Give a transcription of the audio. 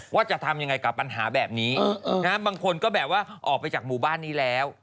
ว่าจะทำยังไงกับปัญหาแบบนี้บางคนก็แบบว่าออกไปจากหมู่บ้านนี้แล้ว